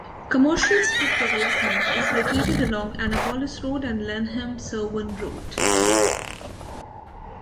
Commercial strip development is located along Annapolis Road and Lanham-Severn Road.